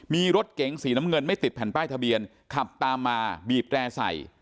มีรถเก๋งสีน้ำเงินไม่ติดแผ่นป้ายทะเบียนขับตามมาบีบแตร่ใส่